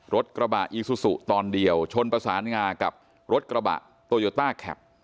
รถกระบะอีซูซูตอนเดียวชนประสานงากับรถกระบะโตโยต้าแคป